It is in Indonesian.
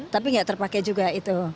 tapi tidak terpakai juga itu